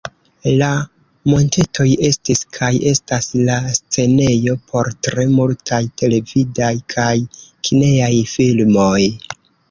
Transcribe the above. La montetoj estis kaj estas la scenejo por tre multaj televidaj kaj kinejaj filmoj.